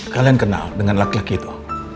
kalian kenal dengan laki laki itu